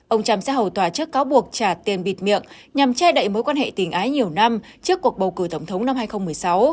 ông trump sẽ hầu tòa trước cáo buộc trả tiền bịt miệng nhằm che đậy mối quan hệ tình ái nhiều năm trước cuộc bầu cử tổng thống năm hai nghìn một mươi sáu